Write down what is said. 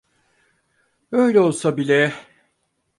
Öyle olsa bile…